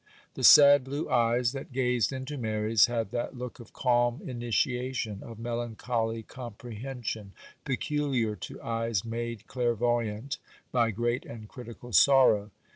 The sad, blue eyes that gazed into Mary's had that look of calm initiation, of melancholy comprehension, peculiar to eyes made clairvoyant by 'great and critical' sorrow.